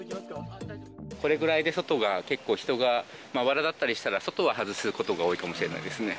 これくらいで外が、結構人がまばらだったりしたら、外は外すことが多いかもしれないですね。